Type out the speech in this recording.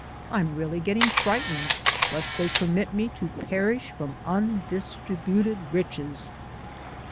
I'm really getting frightened, lest they permit me to perish from undistributed riches!"